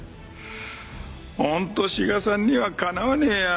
本当志賀さんにはかなわねえや。